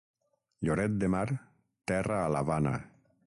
Lloret de Mar, terra a l'Havana.